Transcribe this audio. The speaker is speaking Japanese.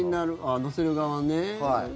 乗せる側ね。